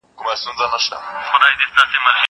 زه له سهاره شګه پاکوم.